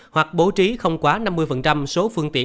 hoặc bố trí không quá năm mươi số phương tiện